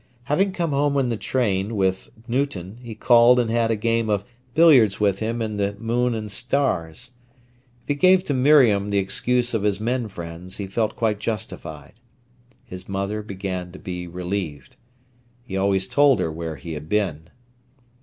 Having come home in the train with Newton, he called and had a game of billiards with him in the Moon and Stars. If he gave to Miriam the excuse of his men friends, he felt quite justified. His mother began to be relieved. He always told her where he had been.